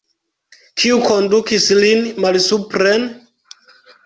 Kiu kondukis lin malsupren?